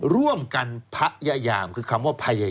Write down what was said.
ร่วมกันพะยามคือคำว่าพยายาม